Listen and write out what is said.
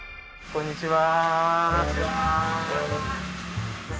こんにちは。